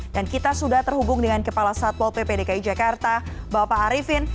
dan kita sudah terhubung dengan kepala satpol pp dki jakarta bapak arifin